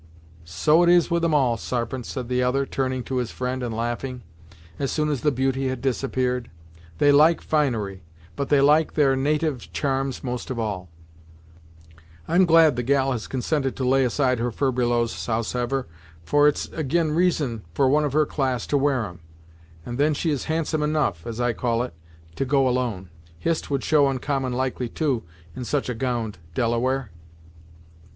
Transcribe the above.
"So it is with 'em, all, Sarpent," said the other, turning to his friend and laughing, as soon as the beauty had disappeared. "They like finery, but they like their natyve charms most of all. I'm glad the gal has consented to lay aside her furbelows, howsever, for it's ag'in reason for one of her class to wear em; and then she is handsome enough, as I call it, to go alone. Hist would show oncommon likely, too, in such a gownd, Delaware!"